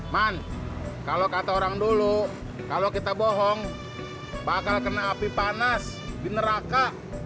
man kalau kata orang dulu kalau kita bohong bakal kena api panas di neraka